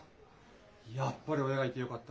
やっぱり親がいてよかった。